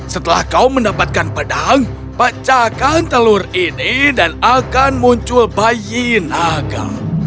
setelah kau mendapatkan pedang pecahkan telur ini dan akan muncul bayi naga